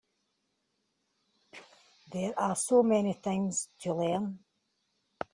There are so many things to learn.